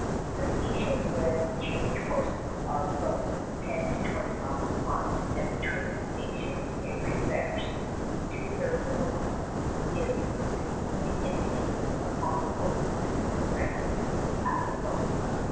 The stations where we change horses are from ten to twenty miles apart, and between the sta tions every verst — two thirds of a mile — is dis tinctly indicated upon a post set in the ground at the roadside.